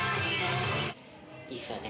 いいですよね